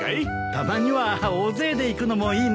たまには大勢で行くのもいいね。